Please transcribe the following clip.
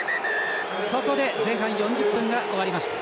ここで前半４０分が終わりました。